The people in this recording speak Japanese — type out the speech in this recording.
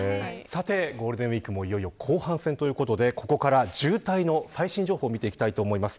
ゴールデンウイークもいよいよ後半戦ということで、ここから渋滞の最新情報を見ていきます。